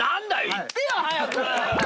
言ってよ早く！